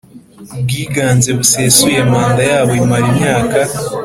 bwiganze busesuye Manda yabo imara imyaka